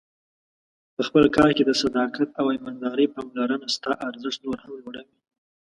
په خپل کار کې د صداقت او ایماندارۍ پاملرنه ستا ارزښت نور هم لوړوي.